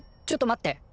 ちょっと待って。